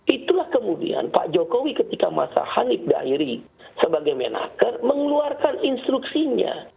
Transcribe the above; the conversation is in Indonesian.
itulah kemudian pak jokowi ketika masa hanif dahiri sebagai menaker mengeluarkan instruksinya